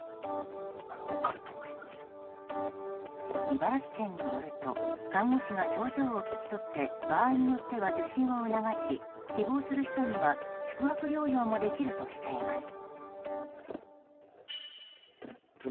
茨城県によると看護師が症状を聞き取って場合によっては受診を促し希望する人には宿泊療養もできるとしています。